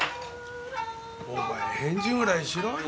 お前返事ぐらいしろよ。